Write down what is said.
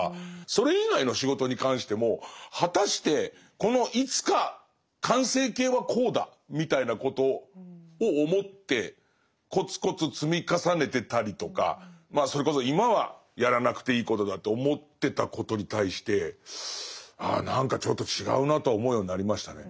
それ以外の仕事に関しても果たしてこのいつか完成形はこうだみたいなことを思ってコツコツ積み重ねてたりとかそれこそ今はやらなくていいことだと思ってたことに対して「ああ何かちょっと違うな」とは思うようになりましたね。